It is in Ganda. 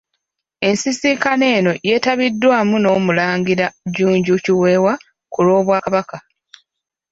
Ensisinkano eno yetabiddwamu n'omulangira Jjunju Kiwewa ku lw'obwakabaka.